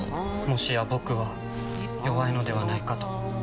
もしや僕は弱いのではないかと。